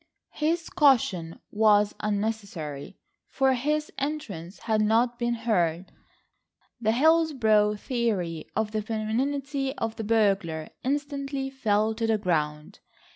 His caution was unnecessary, for his entrance had not been heard. The Hillsborough theory of the femininity of the burglar instantly fell to the ground.